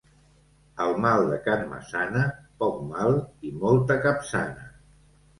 El mal de can Massana, poc mal i molta capçana.